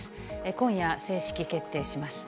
今夜、正式決定します。